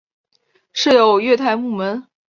设有月台幕门。